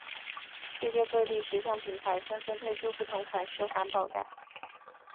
世界各地时尚品牌纷纷推出不同款式环保袋。